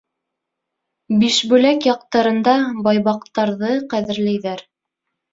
Бишбүләк яҡтарында байбаҡтарҙы ҡәҙерләйҙәр.